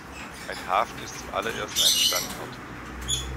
Ein Hafen ist zu allererst ein Standort.